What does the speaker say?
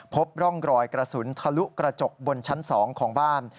พบร่องรอยกระสุนทะลุกระจกบนชั้น๒ของบ้าน